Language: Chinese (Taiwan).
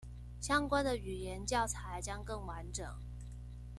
相關的語言教材將更完整